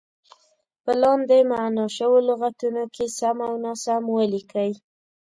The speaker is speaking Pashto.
په لاندې معنا شوو لغتونو کې سم او ناسم ولیکئ.